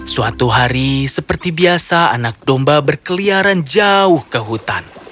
suatu hari seperti biasa anak domba berkeliaran jauh ke hutan